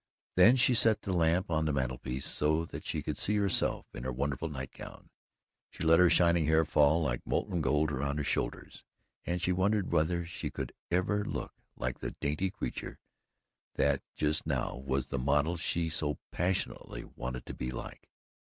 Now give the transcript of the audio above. Then she set the lamp on the mantel piece so that she could see herself in her wonderful night gown. She let her shining hair fall like molten gold around her shoulders, and she wondered whether she could ever look like the dainty creature that just now was the model she so passionately wanted to be like.